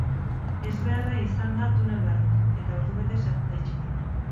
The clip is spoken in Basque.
Ezbeharra izan da tunel barruan, eta ordubetez egon da itxita.